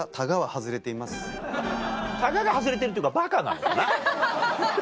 タガが外れてるっていうかバカなんだな。